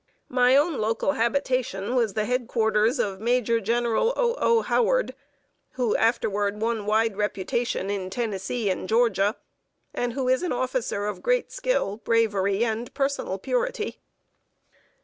My own local habitation was the head quarters of Major General O. O. Howard, who afterward won wide reputation in Tennessee and Georgia, and who is an officer of great skill, bravery, and personal purity.